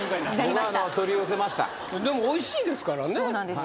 僕取り寄せましたでもおいしいですからねそうなんです